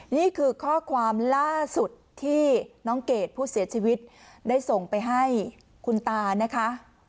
นี่คือข้อความล่าสุดที่น้องเกดผู้เสียชีวิตได้ส่งไปให้คุณตานะคะ